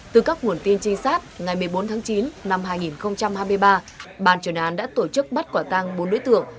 từ các nguồn tin trinh sát ngày một mươi bốn tháng chín năm hai nghìn hai mươi ba bàn truyền án đã tổ chức bắt quả tăng bốn đối tượng